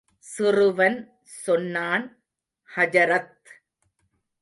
சிறுவன் சொன்னான், ஹஜரத்!